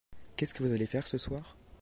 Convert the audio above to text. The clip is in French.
Qu'est-ce que vous allez faire ce soir ?